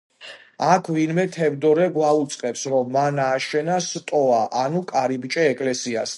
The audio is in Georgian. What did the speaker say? აქ ვინმე თევდორე გვაუწყებს, რომ მან ააშენა სტოა, ანუ კარიბჭე ეკლესიასთან.